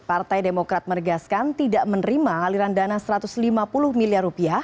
partai demokrat meregaskan tidak menerima aliran dana rp satu ratus lima puluh miliar